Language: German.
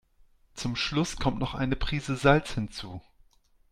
Zum Schluss kommt noch eine Prise Salz hinzu.